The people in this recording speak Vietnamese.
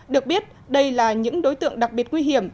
được biết đây là những đối tượng đặc biệt nguy hiểm